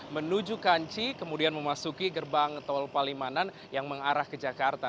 menuju kanci kemudian memasuki gerbang tol palimanan yang mengarah ke jakarta